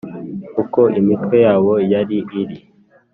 uko imitwe yabo yari iri.